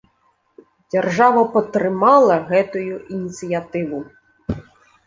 Дзяржава падтрымала гэтую ініцыятыву!